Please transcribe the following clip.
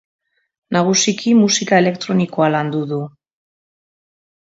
Nagusiki musika elektronikoa landu du.